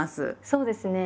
そうですね。